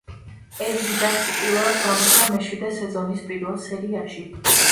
ეზრი დაქსი პირველად გამოჩნდა მეშვიდე სეზონის პირველ სერიაში.